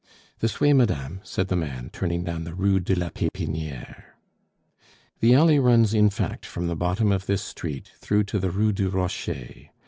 "This way, madame," said the man, turning down the Rue de la Pepiniere. The alley runs, in fact, from the bottom of this street through to the Rue du Rocher.